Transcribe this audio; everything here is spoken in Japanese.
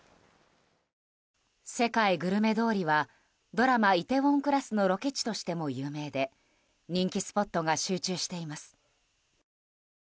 世界グルメ通りはドラマ「梨泰院クラス」のロケ地としても有名で人気スポットが集中しています。